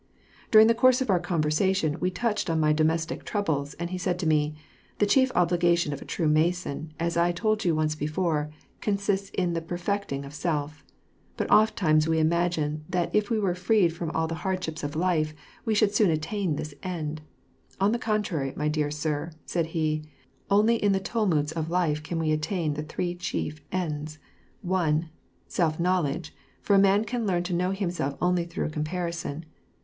During the course of our conversation we touched on my domestic troubles, and he said to me: *^The chief obligation of a true Mason, as 1 told you once before, consists in the perfecting of self. But ofttimes we imagine that if we were freed from all the hardsliips of life, we should soon attain this end; on the contrary, my dear sir," said he, only in the tumults of life can we attain the three chief ends: —( 1 ) Self'knowledgef for a man can learn to know himself only throned comparison.